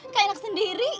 kayak anak sendiri